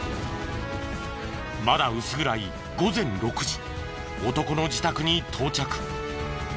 まだ薄暗い午前６時男の自宅に到着。